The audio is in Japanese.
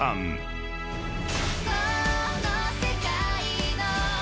「この世界の」